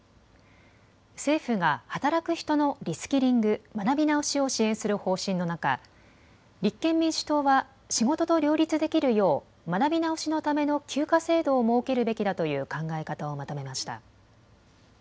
政府が働く人のリスキリング・学び直しを支援する方針の中、立憲民主党は仕事と両立できるよう学び直しのための休暇制度を設けるべきだという考え方をまとめました。